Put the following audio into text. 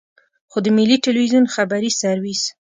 خو د ملي ټلویزیون خبري سرویس.